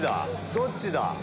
どっちだ？